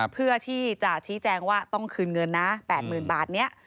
เพื่อที่จะชี้แจงว่าต้องคืนเงินนะ๘๐๐๐บาทนี้